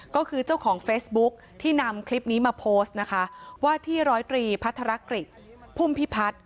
ก็คือเจ้าของเฟซบุ๊คที่นำคลิปนี้มาโพสต์นะคะว่าที่ร้อยตรีพัทรกฤษพุ่มพิพัฒน์